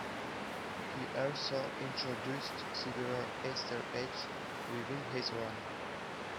He also introduced several "Easter eggs" within his run.